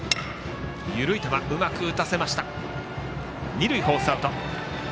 二塁フォースアウト。